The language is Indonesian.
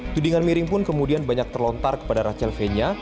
tudingan miring pun kemudian banyak terlontar kepada rachel fenya